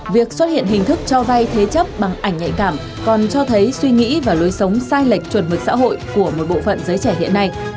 việc xuất hiện hình thức cho vay thế chấp bằng ảnh nhạy cảm còn cho thấy suy nghĩ và lối sống sai lệch chuẩn mực xã hội của một bộ phận giới trẻ hiện nay